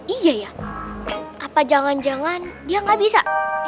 iya ya apa jangan jangan dia gak bisa